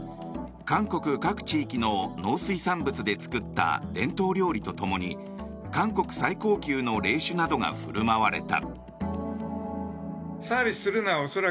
韓国各地域の農水産物で作った伝統料理とともに韓国最高級の冷酒などが振る舞われた。